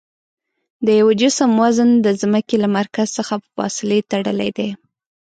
د یوه جسم وزن د ځمکې له مرکز څخه په فاصلې تړلی دی.